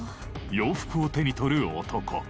洋服を手に取る男。